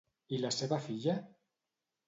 I la seva filla?